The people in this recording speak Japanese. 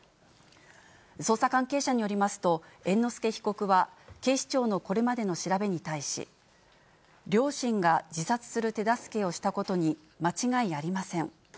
捜査関係者によりますと、猿之助被告は、警視庁のこれまでの調べに対し、両親が自殺する手助けをしたことに間違いありません。